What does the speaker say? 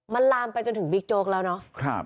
มันลามไปจนถึงบิ๊กโจ๊กแล้วเนาะ